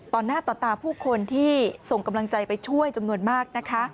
หน้าต่อตาผู้คนที่ส่งกำลังใจไปช่วยจำนวนมากนะคะ